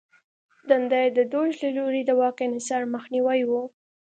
دنده یې د دوج له لوري د واک انحصار مخنیوی و